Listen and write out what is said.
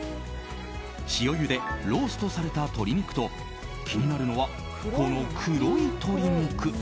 塩ゆで、ローストされた鶏肉と気になるのは、この黒い鶏肉。